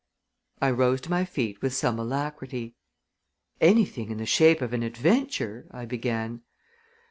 I rose to my feet with some alacrity. "Anything in the shape of an adventure " I began.